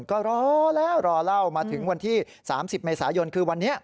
ก็รอแล้วรอเล่ามาถึงวันที่๓๐เมษายนคือวันนี้